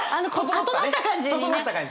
整った感じね！